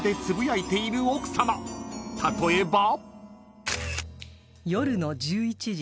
［例えば］